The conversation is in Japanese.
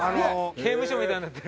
刑務所みたいになってる。